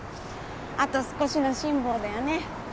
あと少しの辛抱だよね